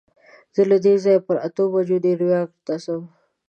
زه له دې ځایه پر اتو بجو نیویارک ته ځم.